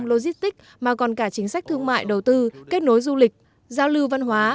logistic mà còn cả chính sách thương mại đầu tư kết nối du lịch giao lưu văn hóa